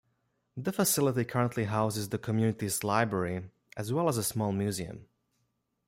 The facility currently houses the community's library as well as a small museum.